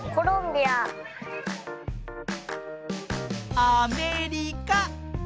アメリカ。